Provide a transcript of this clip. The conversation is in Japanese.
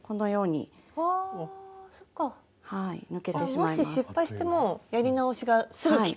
もし失敗してもやり直しがすぐきく？